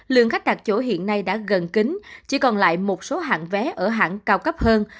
lượng khách đặt chỗ hiện nay đã gần kính chỉ còn lại một số hạng vé ở hãng cao cấp hơn